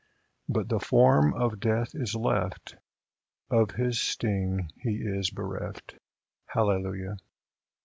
But the form of Death is left : Of his sting he is bereft. Hallelujah